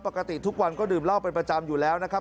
ปกติทุกวันก็ดื่มเหล้าเป็นประจำอยู่แล้วนะครับ